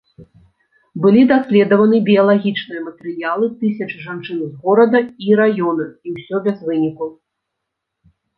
Былі даследаваны біялагічныя матэрыялы тысячы жанчын з горада і раёна, і ўсё без выніку.